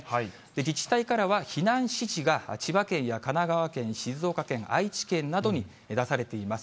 自治体からは避難指示が、千葉県や神奈川県、静岡県、愛知県などに出されています。